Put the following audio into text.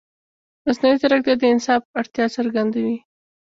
مصنوعي ځیرکتیا د انصاف اړتیا څرګندوي.